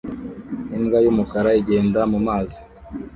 Imbwa y'umukara igenda mu mazi